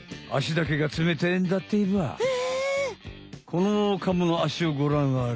このカモのあしをごらんあれ。